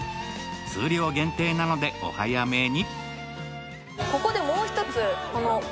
数量限定なので、お早めに。